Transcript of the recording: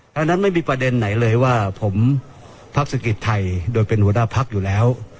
อันนั้นไม่มีประเด็นไหนเลยว่าผมพักเศรษฐกิจไทยโดยเป็นหัวหน้าพักอยู่แล้ว